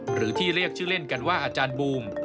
หรือที่เรียกชื่อเล่นกันว่าอาจารย์บูม